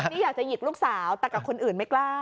นี่อยากจะหยิกลูกสาวแต่กับคนอื่นไม่กล้า